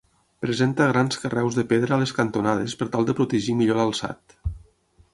Presenta grans carreus de pedra a les cantonades per tal de protegir millor l'alçat.